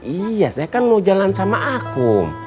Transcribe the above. iya saya kan mau jalan sama aku